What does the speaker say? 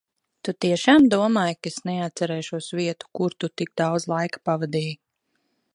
Tu tiešām domāji, ka es neatcerēšos vietu, kur tu tik daudz laika pavadīji?